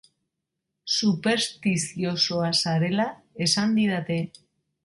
Superstiziosoa zarela esan didate.